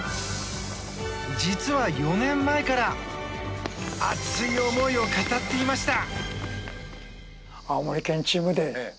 実は４年前から熱い思いを語っていました。